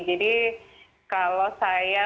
jadi kalau saya